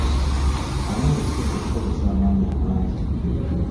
Ani eyasinga okukozesa amaanyi amangi?